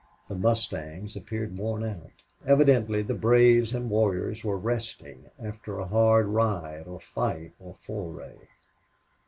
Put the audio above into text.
The mustangs appeared worn out. Evidently the braves and warriors were resting after a hard ride or fight or foray.